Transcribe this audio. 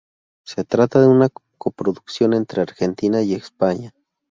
Se trata de una coproducción entre Argentina y España.